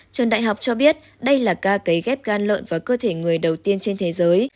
trần đại học cho biết đây là ca kế ghép gan lợn vào cơ thể người đầu tiên trên thế giới